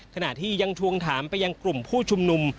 ขณะที่ยังทวงถามไปยังกลุ่มผู้ชุมนุม